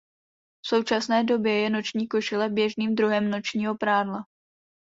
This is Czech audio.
V současné době je noční košile běžným druhem nočního prádla.